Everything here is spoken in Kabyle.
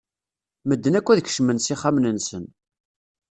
Medden akk ad kecmen s ixxamen-nsen.